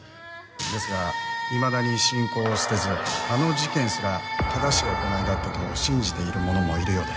ですがいまだに信仰を捨てずあの事件すら正しい行いだったと信じている者もいるようで。